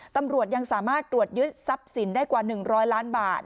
ตำรวจยังสามารถตรวจยึดทรัพย์สินได้กว่า๑๐๐ล้านบาท